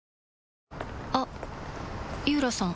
あっ井浦さん